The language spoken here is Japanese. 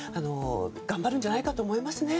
頑張るんじゃないかと思います。